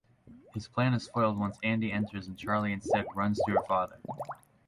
His plan is foiled once Andy enters and Charlie instead runs to her father.